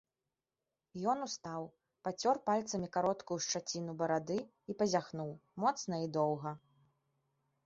Ён устаў, пацёр пальцамі кароткую шчаціну барады і пазяхнуў, моцна і доўга.